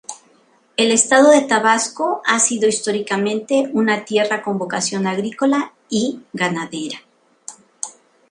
El estado de Tabasco ha sido históricamente una tierra con vocación agrícola y ganadera.